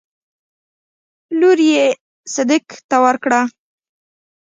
لور يې صدک ته ورکړه.